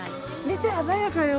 見て、鮮やかよ。